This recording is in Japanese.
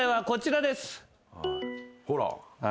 ほら。